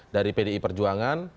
dari pdi perjuangan